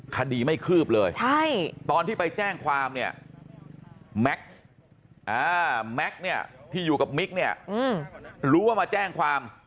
คดีไม่คืบเลยตอนที่ไปแจ้งความเนี่ยแม็กซ์แม็กซ์เนี่ยที่อยู่กับมิกเนี่ยรู้ว่ามาแจ้งความ